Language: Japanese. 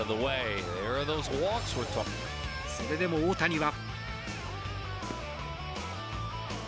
それでも大谷は。